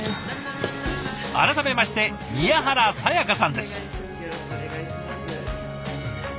改めまして宮原彩さんです。